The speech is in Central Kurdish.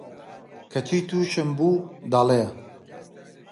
کەچی تووشم بوو، دەڵێ: